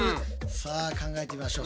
さあ考えてみましょう。